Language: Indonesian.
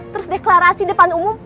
terus deklarasi depan umum